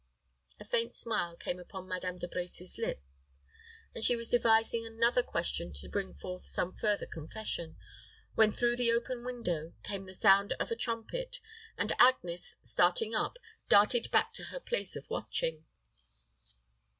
A faint smile came upon Madame De Brecy's lip, and she was devising another question to bring forth some further confession, when through the open window came the sound of a trumpet, and Agnes, starting up, darted back to her place of watching.